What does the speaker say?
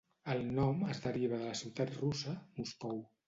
El nom es deriva de la ciutat russa, Moscou.